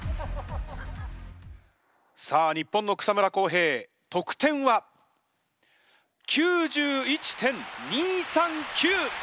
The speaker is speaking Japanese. さあ日本の草村航平得点は９１．２３９！